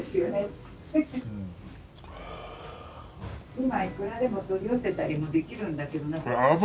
今いくらでも取り寄せたりもできるんだけどなかなか。